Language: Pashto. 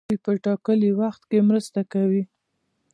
دوی په ټاکلي وخت کې مرسته کوي.